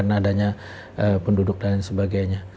karena adanya penduduk dan lain sebagainya